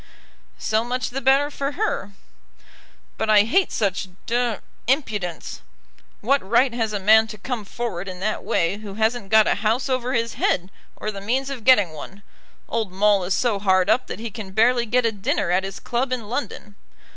"So much the better for her." "But I hate such d impudence. What right has a man to come forward in that way who hasn't got a house over his head, or the means of getting one? Old Maule is so hard up that he can barely get a dinner at his club in London.